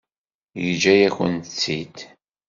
Yeǧǧa-yakent-tt-id.